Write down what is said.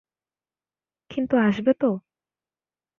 কিন্তু আসবে তো?